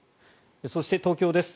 そして、東京です。